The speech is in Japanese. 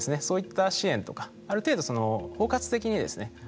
そういった支援とかある程度包括的にですね